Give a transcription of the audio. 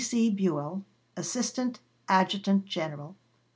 D.C. BUELL, Assistant Adjutant General.